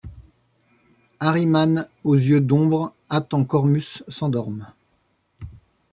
Arimane aux yeux d’ombre attend qu’Ormus s’endorme ;